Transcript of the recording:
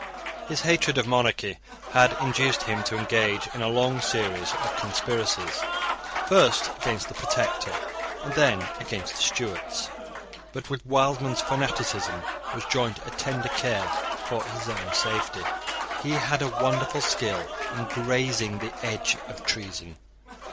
His hatred of monarchy had induced him to engage in a long series of conspiracies, first against the Protector, and then against the Stuarts. But with Wildman's fanaticism was joined a tender care for his own safety. He had a wonderful skill in grazing the edge of treason.